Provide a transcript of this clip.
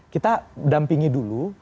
kita dampingi dulu